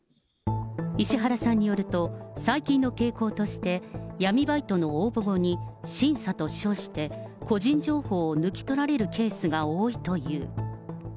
石原さんによると、最近の傾向として、闇バイトの応募後に審査と称して、個人情報を抜き取られるケースが多いという。